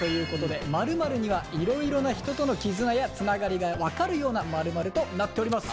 いろいろな人との絆やつながりが分かるような○○となっております。